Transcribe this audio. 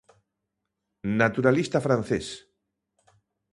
Naturalista francés.